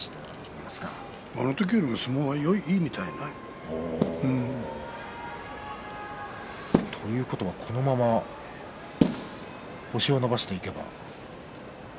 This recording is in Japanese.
あの時より相撲がいいみたい。ということは、このまま星を伸ばしていけば？